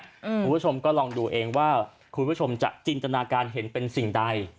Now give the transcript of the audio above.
คุณผู้ชมก็ลองดูเองว่าคุณผู้ชมจะจินตนาการเห็นเป็นสิ่งใด